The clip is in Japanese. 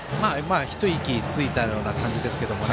一息ついたような感じですけどね